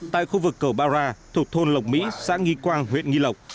tại khu vực cầu bara thuộc thôn lộc mỹ xã nghi quang huyện nghi lộc